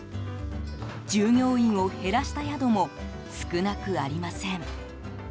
従業員を減らした宿も少なくありません。